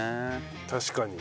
確かに。